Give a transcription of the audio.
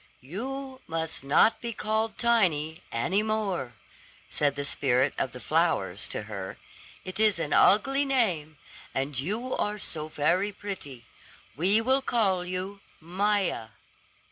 "You must not be called Tiny any more," said the spirit of the flowers to her. "It is an ugly name, and you are so very pretty. We will call you Maia."